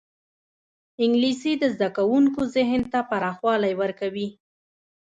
انګلیسي د زدهکوونکو ذهن ته پراخوالی ورکوي